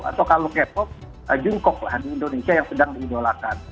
atau kalau k pop jungkok lah di indonesia yang sedang diidolakan